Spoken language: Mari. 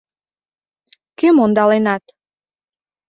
Кӧм ондаленат?